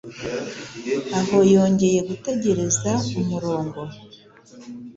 aho yongeye gutegereza umurongo